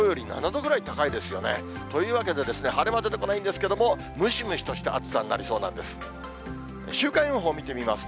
というわけで、晴れ間出てこないんですけれども、ムシムシとした暑さになりそうなんです。